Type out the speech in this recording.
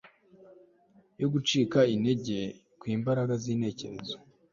yo gucika intege kwimbaraga zintekerezo